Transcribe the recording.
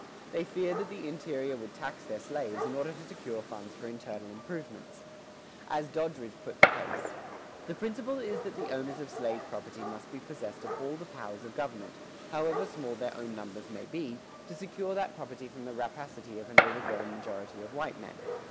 They feared that the interior would tax their slaves in order to secure funds for internal improvements. As Doddridge put the case:[115:1] The principle is that the owners of slave property must be possessed of all the powers of government, however small their own numbers may be, to secure that property from the rapacity of an overgrown majority of white men.